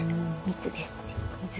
密ですね。